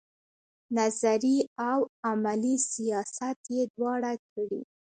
نظري او عملي سیاست یې دواړه کړي.